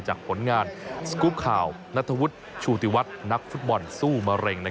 ผลงานสกรูปข่าวนัทวุฒิชูติวัฒน์นักฟุตบอลสู้มะเร็ง